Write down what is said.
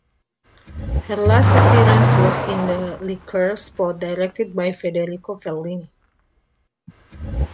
Her last appearance was in a liqueur spot directed by Federico Fellini.